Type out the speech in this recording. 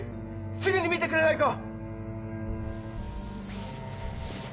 すぐに診てくれないか？